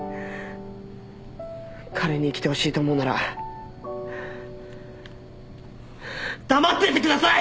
彼に生きてほしいと思うなら黙っててください！